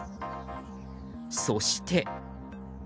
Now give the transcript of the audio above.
そして。